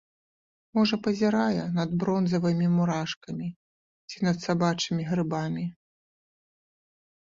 Можа пазірае над бронзавымі мурашкамі, ці над сабачымі грыбамі.